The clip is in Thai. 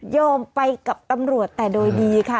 ไปกับตำรวจแต่โดยดีค่ะ